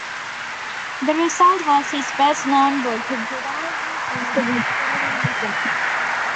The result was his best-known book, "Judaism and Vegetarianism".